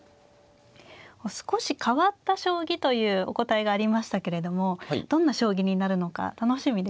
少し変わった将棋というお答えがありましたけれどもどんな将棋になるのか楽しみですね。